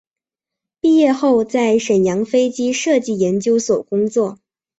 毕业后在沈阳飞机设计研究所工作。